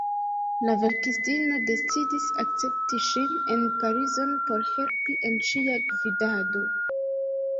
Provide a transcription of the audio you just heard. La verkistino decidis akcepti ŝin en Parizon por helpi en ŝia gvidado.